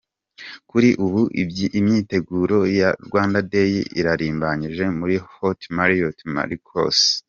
Kuri ubu imyiteguro ya Rwanda Day irarimbanyije muri Hote Marriot Marquis.